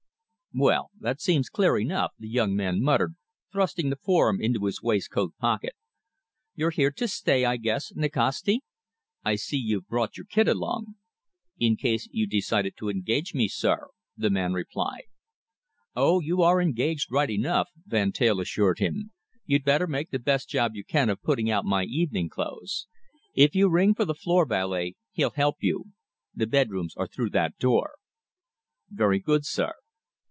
"Well that seems clear enough," the young man muttered, thrusting the form into his waistcoat pocket. "You're here to stay, I guess, Nikasti? I see you've brought your kit along." "In case you decided to engage me, sir," the man replied. "Oh, you are engaged right enough," Van Teyl assured him. "You'd better make the best job you can of putting out my evening clothes. If you ring for the floor valet, he'll help you. The bedrooms are through that door." "Very good, sir!"